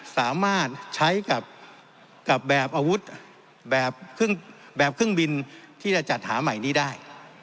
สามารถใช้กับแบบอาวุธแบบเครื่องบินที่จะจัดหาใหม่นี้ได้